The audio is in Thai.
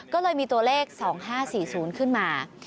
ก็เลยมีตัวเลข๒๕๔๐ขึ้นมา